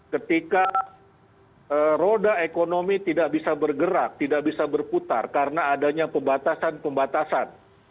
ketika roda ekonomi tidak bisa bergerak tidak bisa berputar karena adanya pembatasan pembatasan